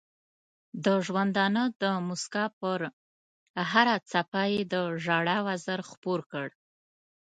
د ژوندانه د مسکا پر هره څپه یې د ژړا وزر خپور کړ.